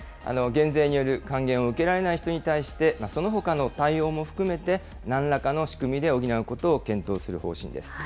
減税による還元を受けられない人に対して、そのほかの対応も含めてなんらかの仕組みで補うことを検討する方針です。